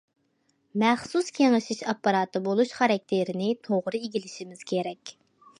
مەخسۇس كېڭىشىش ئاپپاراتى بولۇش خاراكتېرىنى توغرا ئىگىلىشىمىز كېرەك.